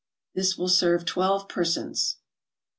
This will serve twelve persons.